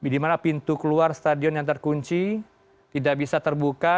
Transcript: di mana pintu keluar stadion yang terkunci tidak bisa terbuka